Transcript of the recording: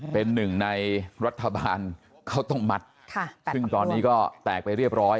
เป็นหนึ่งในรัฐบาลข้าวต้มมัดซึ่งตอนนี้ก็แตกไปเรียบร้อย